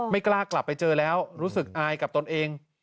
กล้ากลับไปเจอแล้วรู้สึกอายกับตนเอง